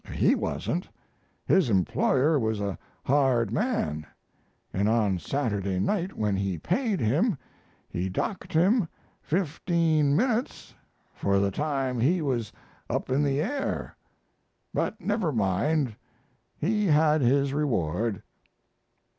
He wasn't. His employer was a hard man, and on Saturday night when he paid him he docked him fifteen minutes for the time he was up in the air but never mind, he had his reward.